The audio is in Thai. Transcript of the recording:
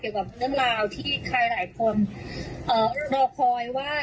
เกี่ยวกับเรื่องราวที่ใครหลายคนรอคอยว่า